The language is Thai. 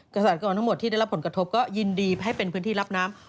เกษตรกรทั้งหมดที่ได้รับผลกระทบก็ยินดีให้เป็นพื้นที่รับน้ำ